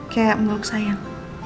kayak meluk sayang